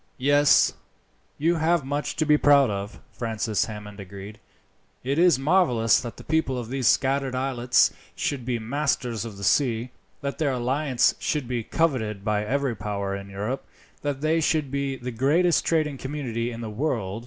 "Yes, you have much to be proud of," Francis Hammond agreed. "It is marvellous that the people of these scattered islets should be masters of the sea, that their alliance should be coveted by every power in Europe, that they should be the greatest trading community in the world.